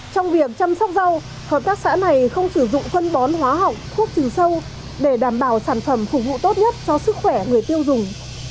trong việc chăm sóc rau hợp tác xã này không sử dụng phân bón hóa học thuốc trừ sâu để đảm bảo sản phẩm phục vụ tốt nhất cho sức khỏe người tiêu dùng